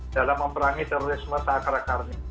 dalam memerangi terorisme sakra karne